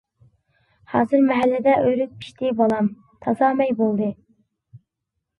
ھازىر مەھەللىدە ئۆرۈك پىشتى بالام، تازا مەي بولدى.